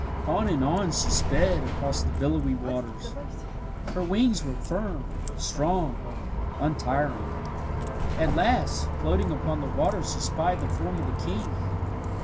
On and on she sped across the billowy waters. Her wings were firm, strong, untiring. At last, floating upon the water she spied the form of the king.